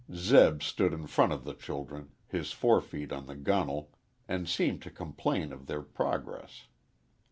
Zeb stood in front of the children, his forefeet on the gunwale, and seemed to complain of their progress.